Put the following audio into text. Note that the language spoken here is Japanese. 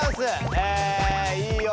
えいいよ。